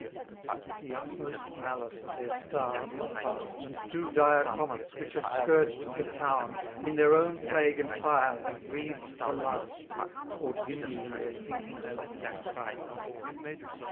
291 The utmost malice of their stars is past, And two dire comets, which have scourged the town, In their own plague and fire have breathed the last, Or dimly in their sinking sockets frown.